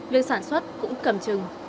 việc sản xuất cũng cầm chừng